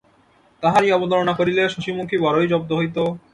তাহারই অবতারণা করিলে শশিমুখী বড়োই জব্দ হইত।